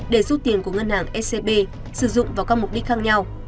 để rút tiền của ngân hàng scb sử dụng vào các mục đích khác nhau